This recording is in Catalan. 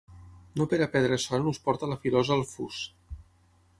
No per a perdre son ús porta la filosa el fus.